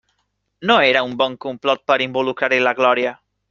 No era un bon complot per involucrar-hi la Glòria!